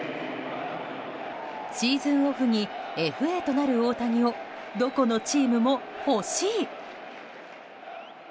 シーズンオフにＦＡとなる大谷をどこのチームも欲しい。